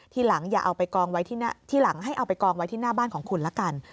ทีหลังให้เอาไปกองไว้ที่หน้าบ้านของคุณละกัน